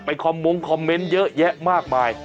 คอมมงคอมเมนต์เยอะแยะมากมาย